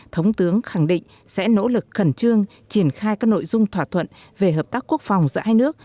thống tướng khẳng định sẽ nỗ lực khẩn trương triển khai các nội dung thỏa thuận về hợp tác quốc phòng giữa hai nước